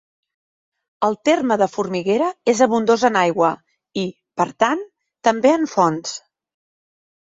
El terme de Formiguera és abundós en aigua i, per tant, també en fonts.